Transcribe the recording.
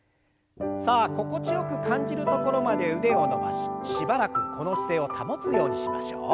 さあ心地よく感じるところまで腕を伸ばししばらくこの姿勢を保つようにしましょう。